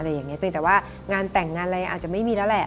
อะไรอย่างนี้แต่ว่างานแต่งอะไรอาจจะไม่มีแล้วแหละ